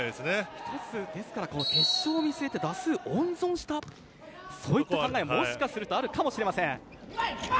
一つ、決勝を見据えて打数を温存したそういった考えがもしかしたらあるかもしれません。